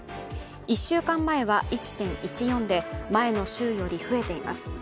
１週間前は１．１４で、前の週より増えています。